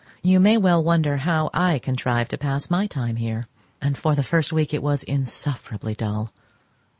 You may well wonder how I contrive to pass my time here, and for the first week it was insufferably dull.